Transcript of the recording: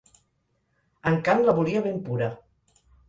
En Kant la volia ben pura.